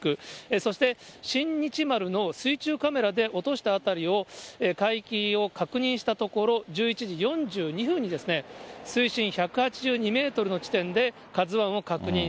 そして新日丸の水中カメラで落とした辺りを海域を確認したところ、１１時４２分に、水深１８２メートルの地点でＫＡＺＵＩを確認。